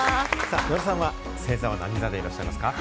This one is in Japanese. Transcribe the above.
野呂さんは星座は何座でいらっしゃいますか？